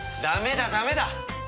ダメだダメだ！